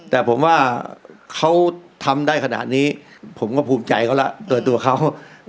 แต่ผมว่าเขาทำได้ขนาดนี้ผมก็ภูมิใจเขาแล้วตัวเขา